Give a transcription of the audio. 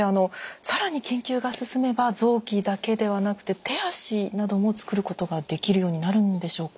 更に研究が進めば臓器だけではなくて手足なども作ることができるようになるんでしょうか？